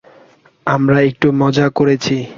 আমরা একটু মজা করেছি।